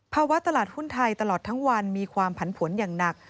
ตลาดหุ้นไทยตลอดทั้งวันมีความผันผลอย่างหนัก